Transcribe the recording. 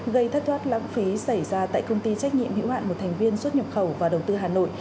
gây thất thoát lãng phí xảy ra tại công ty trách nhiệm hữu hạn một thành viên xuất nhập khẩu và đầu tư hà nội